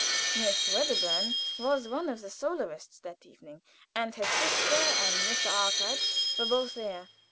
Miss Wedderburn was one of the soloists that evening and her sister and Mr. Arkwright were both there.